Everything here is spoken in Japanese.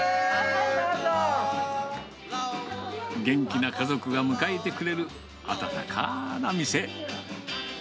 元気な家族が迎えてくれる、温かな店。